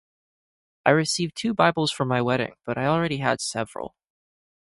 I received two bibles for my wedding, but I already had several.